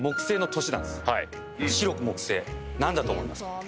四緑木星何だと思いますか？